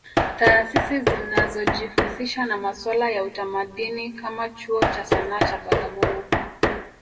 Taasisi zinazojihusisha na masuala ya utamadini kama Chuo cha Sana cha Bagamoyo